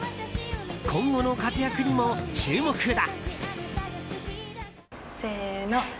今後の活躍にも注目だ。